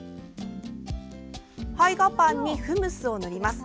胚芽パンに、フムスを塗ります。